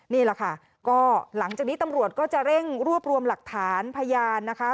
นี่แหละค่ะก็หลังจากนี้ตำรวจก็จะเร่งรวบรวมหลักฐานพยานนะคะ